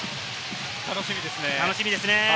楽しみですね。